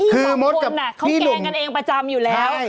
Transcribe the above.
หล่มทรกษ์เขาแกงกันเองประจำอยู่แล้ว